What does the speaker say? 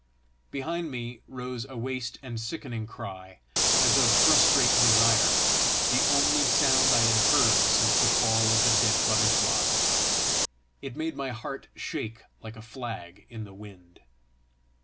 Behind me rose a waste and sickening cry, as of frustrate desire the only sound I had heard since the fall of the dead butterfly; it made my heart shake like a flag in the wind.